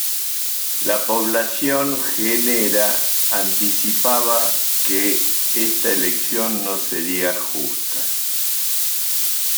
La población genera anticipaba que esta elección no sería justa.